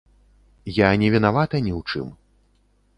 Я не вінавата ні ў чым.